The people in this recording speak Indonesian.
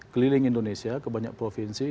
keliling indonesia ke banyak provinsi